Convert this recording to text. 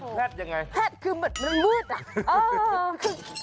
แพรตยังไงแพรตคือเหมือนลื่น๔๔๔